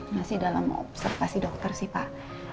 masih dalam observasi dokter sih pak